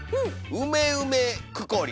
「うめうめくこり」。